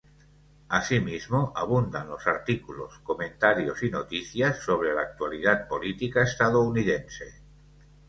Asímismo, abundan los artículos, comentarios y noticias sobre la actualidad política estadounidense.